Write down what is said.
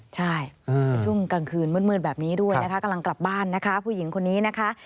ใช่ในช่วงกลางคืนมืดแบบนี้ด้วยนะคะกำลังกลับบ้านนะคะผู้หญิงคนนี้นะคะ